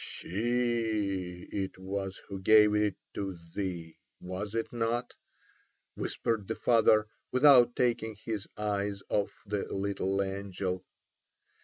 "She it was who gave it to thee, was it not?" whispered the father, without taking his eyes off the little angel.